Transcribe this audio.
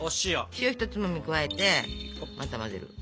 塩をひとつまみ加えてまた混ぜる。